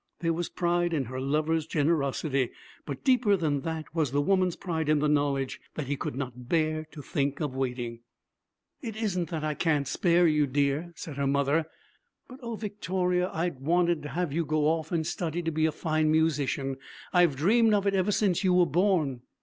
There was pride in her lover's generosity. But deeper than that was the woman's pride in the knowledge that he could not 'bear to think of waiting.' 'It isn't that I can't spare you, dear,' said her mother. 'But, O Victoria, I'd wanted to have you go off and study to be a fine musician. I've dreamed of it ever since you were born.'